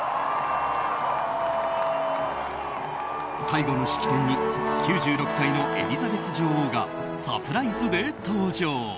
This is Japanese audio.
最後の式典に９６歳のエリザベス女王がサプライズで登場。